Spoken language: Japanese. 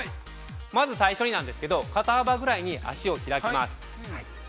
まず、最初に肩幅ぐらいに足を開きます。